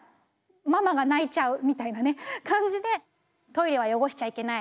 ママが泣いちゃう」みたいな感じでトイレは汚しちゃいけない。